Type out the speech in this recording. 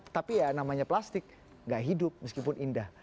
tapi ya namanya plastik gak hidup meskipun indah